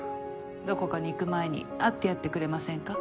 どこかに行く前に会ってやってくれませんか？